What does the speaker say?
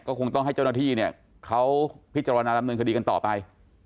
คงต้องให้เจ้าหน้าที่เนี่ยเขาพิจารณาดำเนินคดีกันต่อไป